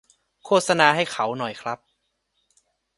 โฆษณาให้เขาหน่อยครับ